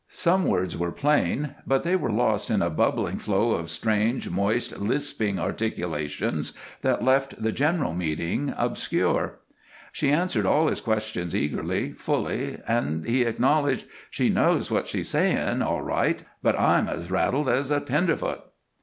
Some words were plain, but they were lost in a bubbling flow of strange, moist, lisping articulations that left the general meaning obscure. She answered all his questions eagerly, fully, and he acknowledged: "She knows what she's sayin', all right, but I'm as rattled as a tenderfoot."